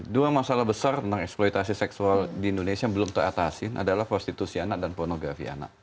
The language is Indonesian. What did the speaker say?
dua masalah besar tentang eksploitasi seksual di indonesia yang belum teratasin adalah prostitusi anak dan pornografi anak